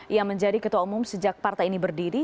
ia menjadi ketua umum sejak partai ini berdiri